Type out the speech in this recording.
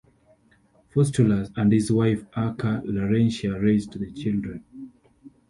Faustulus and his wife Acca Larentia raised the children.